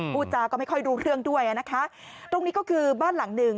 พูดจาก็ไม่ค่อยรู้เรื่องด้วยอ่ะนะคะตรงนี้ก็คือบ้านหลังหนึ่ง